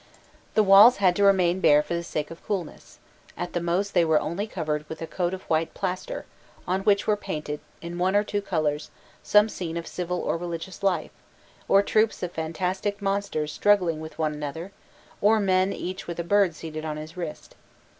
The walls had to remain bare for the sake of coolness: at the most they were only covered with a coat of white plaster, on which were painted, in one or two colours, some scene of civil or religious life, or troops of fantastic monsters struggling with one another, or men each with a bird seated on his Wrist.